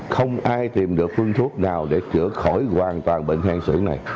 không ai tìm được phương thuốc nào để chữa khỏi hoàn toàn bệnh hen xưởng này